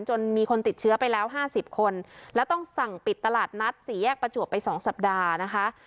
มีคนติดเชื้อไปแล้ว๕๐คนแล้วต้องสั่งปิดตลาดนัดสี่แยกประจวบไป๒สัปดาห์นะคะ